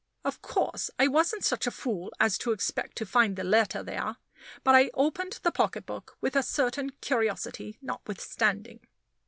Of course I wasn't such a fool as to expect to find the letter there, but I opened the pocketbook with a certain curiosity, notwithstanding.